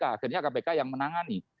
akhirnya kpk yang menangani